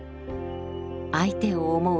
相手を思う